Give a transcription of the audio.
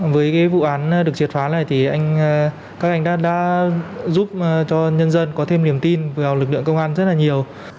với vụ án được triệt phá này thì các anh đã giúp cho nhân dân có thêm niềm tin vào lực lượng công an rất là nhiều